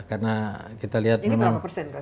ini berapa persen